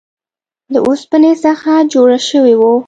له اوسپنې څخه جوړ شوی و.